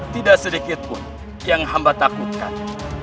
tidak sedikit pun yang hamba takutkan